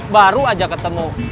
baru aja ketemu